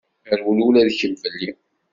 Rwel ula d kemm fell-i.